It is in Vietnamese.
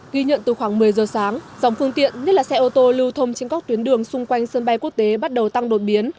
ghi nhận từ khoảng một mươi giờ sáng dòng phương tiện nhất là xe ô tô lưu thông trên các tuyến đường xung quanh sân bay quốc tế bắt đầu tăng đột biến